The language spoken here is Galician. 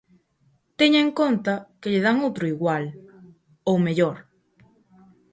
_Teña en conta que lle dan outro igual..., ou mellor.